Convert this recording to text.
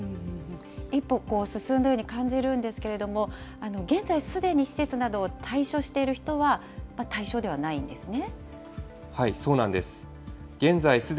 一歩進んだように感じるんですけれども、現在、すでに施設などを退所している人は、対象ではないんですね。